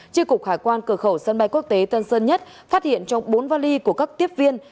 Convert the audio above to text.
tri cục hải quan cửa khẩu sân bay quốc tế tân sơn nhất phát hiện trong bốn vali của các tiếp viên